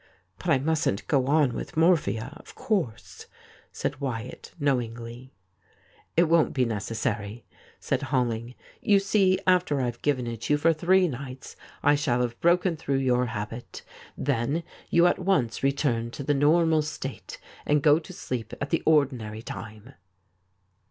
' But I mustn't go on with mor phia, of course,' said Wyatt know ingly. ' It won't be necessary,' said Holling. ' You see, after I've given it you for three nights, I shall have broken thi'ough your habit. Then you at once retui'n to the normal 37 THIS IS ALL state, and go to sleep at the ordinary time.'